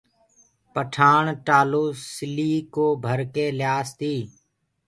پٺآڻ ٽآلو سلِيٚ ڪو ڀر ڪي ليآس تي